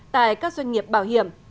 tại các doanh nghiệp bảo hiểm